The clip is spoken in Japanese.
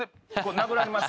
殴られます。